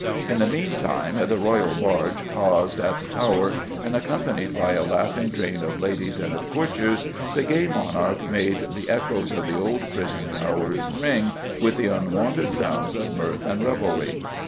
"In the meantime the royal barge paused at the Tower; and, accompanied by a laughing train of ladies and of courtiers, the gay monarch made the echoes of the old prison towers ring with the unwonted sounds of mirth and revelry....